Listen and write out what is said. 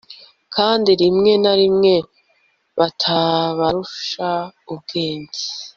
kandi rimwe na rimwe batabarusha ubwenge